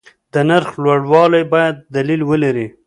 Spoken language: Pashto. د نرخ لوړوالی باید دلیل ولري.